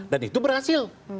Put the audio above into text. dan itu berhasil